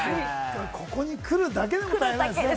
ここに来るだけでもなんですね。